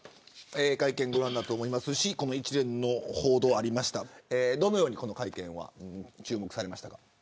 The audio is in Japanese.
会見をご覧になったと思いますし一連の報道がありましたがどのように注目されましたか。